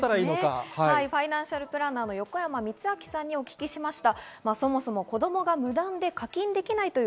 ファイナンシャルプランナーの横山光昭さんにお聞きしました。